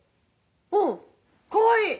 うんかわいい。